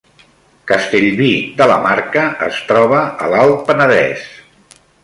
Castellví de la Marca es troba a l’Alt Penedès